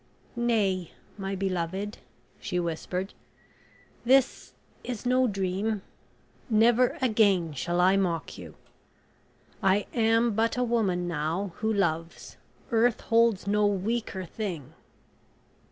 "Nay, my beloved," she whispered; "this is no dream... Never again shall I mock you. I am but a woman now who loves. Earth holds no weaker thing."